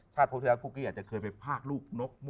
ชาติพบที่พุกกี้อาจจะเคยไปพากลูกนก